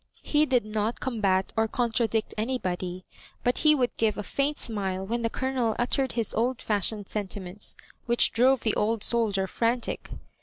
He did not combat or contradict anybody, but he would give a faint smile when the Colonel uttered his old fashioned sentiments, which drove the old soldier frantic.